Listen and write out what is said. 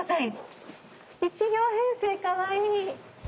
一両編成かわいい。